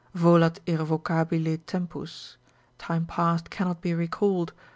Volat irrevocabile tempus, time past cannot be recalled.